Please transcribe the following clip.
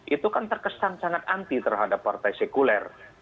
itu kan terkesan sangat anti terhadap partai sekuler